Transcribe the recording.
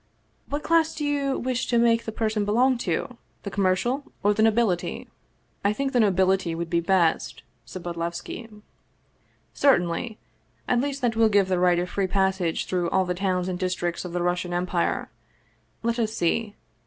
What class do you wish to make the person belong to ? The commercial or the nobility ?"" I think the nobility would be best," said Bodlevski. " Certainly ! At least that will give the right of free passage through all the towns and districts of the Russian Empire. Let us see.